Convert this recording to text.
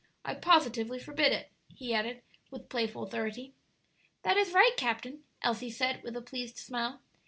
I positively forbid it," he added, with playful authority. "That is right, captain," Elsie said, with a pleased smile.